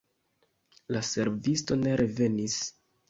La servisto ne revenis.